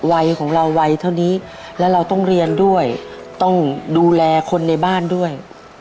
วัยของเราวัยเท่านี้และเราต้องเรียนด้วยต้องดูแลคนในบ้านด้วย